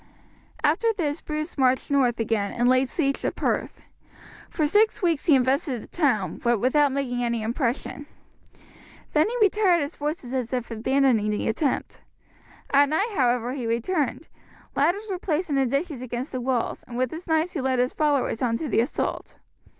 After this Bruce marched north again and laid siege to Perth. For six weeks he invested the town, but without making any impression. Then he retired his forces as if abandoning the attempt. At night, however, he returned, ladders were placed in the ditches against the walls, and with his knights he led his followers on to the assault.